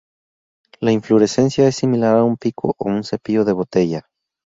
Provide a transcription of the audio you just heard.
La inflorescencia es similar a un pico o un cepillo de botella.